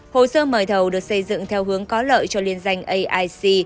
hồ sơ mời thầu được xây dựng theo hướng có lợi cho liên danh aic